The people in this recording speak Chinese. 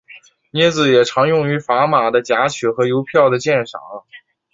镊子也常用于砝码的夹取和邮票的鉴赏。